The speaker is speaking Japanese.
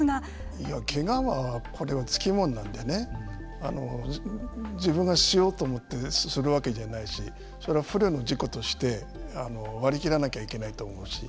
いやけがはつきものなのでね自分がしようと思ってするわけじゃないしそれは不慮の事故として割り切らなきゃいけないと思うし。